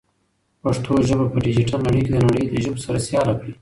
پښتو ژبه په ډیجیټل نړۍ کې د نړۍ له ژبو سره سیاله کړئ.